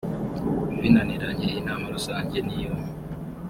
binaniranye inama rusange ni yo